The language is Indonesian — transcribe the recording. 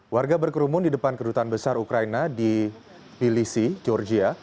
warga berkerumun di depan kedutaan besar ukraina di milisi georgia